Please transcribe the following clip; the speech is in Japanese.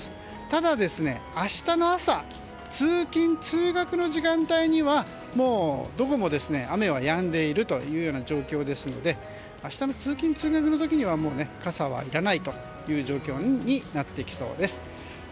ただ、明日の朝通勤・通学時間帯にはどこも雨はやんでいる状況ですので明日の通勤・通学の時には傘はいらないという状況になりそうです。